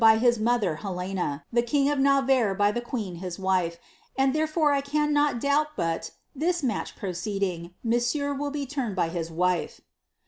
247 is mother Helena, the king of Navarre by the queen his wife, and becefore can 1 not doubt but, this match proceeding, monsieur will be mned by his wife.